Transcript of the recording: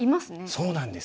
そうなんです。